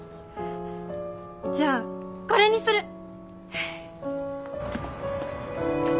じゃあこれにする！